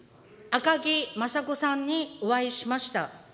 赤木雅子さんにお会いしました。